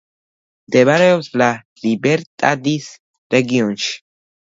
მდებარეობს ლა-ლიბერტადის რეგიონში.